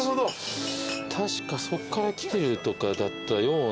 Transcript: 確かそっから来てるとかだったような。